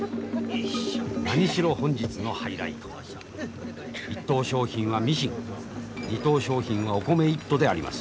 何しろ本日のハイライトは１等賞品はミシン２等賞品はお米１斗であります。